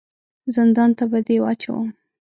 زندان ته به دي واچوم !